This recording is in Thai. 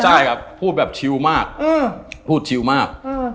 ใช่ครับพูดแบบชิลมากพูดชิวมาก